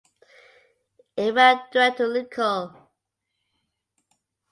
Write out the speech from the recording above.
It ran direct to Lincoln.